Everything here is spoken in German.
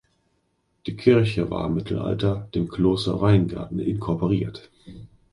Die Kirche war im Mittelalter dem Kloster Weingarten inkorporiert.